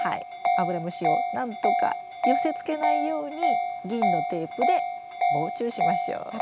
アブラムシをなんとか寄せつけないように銀のテープで防虫しましょう。